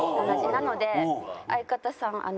なので相方さん